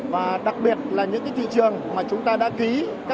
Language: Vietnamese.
và đặc biệt là những cái thị trường mà chúng ta đã ký